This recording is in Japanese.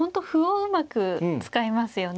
うまく使いますよね。